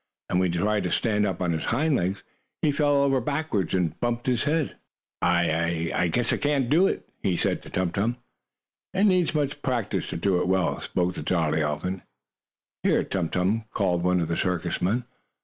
And when he tried to stand on his hind legs, he fell over backward and bumped his head. "I I guess I can't do it," he said to Tum Tum. "It needs much practice to do it well," spoke the jolly elephant. "Here, Tum Tum!" called one of the circus men.